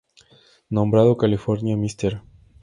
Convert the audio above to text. Nombrado "California Mr.